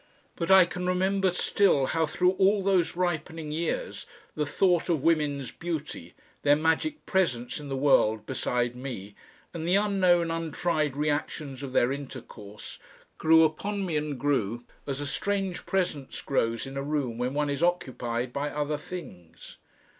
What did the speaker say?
But I can remember still how through all those ripening years, the thought of women's beauty, their magic presence in the world beside me and the unknown, untried reactions of their intercourse, grew upon me and grew, as a strange presence grows in a room when one is occupied by other things.